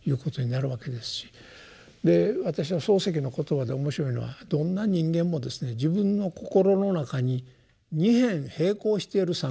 で私は漱石の言葉で面白いのはどんな人間もですね自分の心の中に二辺平行している三角形を持ってると。